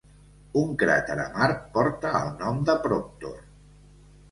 Un cràter a Mart porta el nom de Proctor.